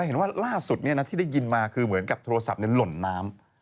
ซึ่งเป็นอย่างที่ยินมาคือเหมือนกับโทรศัพท์เหมือนคนลดน้ำ